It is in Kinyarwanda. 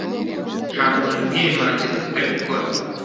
Ntabwo nabwiye Manzi kutabikora.